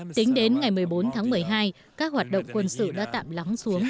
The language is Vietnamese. tính đến ngày một mươi bốn tháng một mươi hai các hoạt động quân sự đã tạm lắng xuống